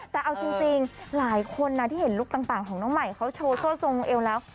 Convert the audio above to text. แต่เอาจริงหลายคนนะที่เห็นลุคต่างของน้องใหม่เขาโชว์โซ่ทรงลงเอวแล้ว